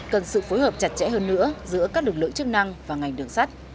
cần sự phối hợp chặt chẽ hơn nữa giữa các lực lượng chức năng và ngành đường sắt